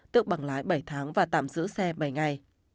tước bằng lái bảy tháng và tạm giữ xe bảy ngày